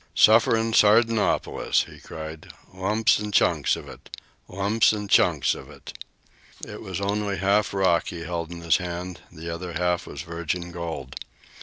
"Sufferin' Sardanopolis!" he cried. "Lumps an' chunks of it! Lumps an' chunks of it!" It was only half rock he held in his hand. The other half was virgin gold.